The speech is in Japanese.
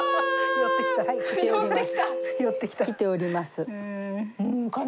寄ってきた。来ております。